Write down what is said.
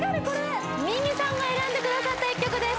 ＭＩＮＭＩさんが選んでくださった１曲です